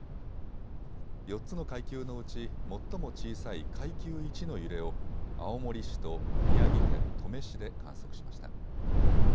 ４つの階級のうち最も小さい階級１の揺れを青森市と宮城県登米市で観測しました。